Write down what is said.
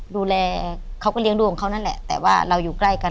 ดูแลเขาก็เลี้ยงดูของเขานั่นแหละแต่ว่าเราอยู่ใกล้กัน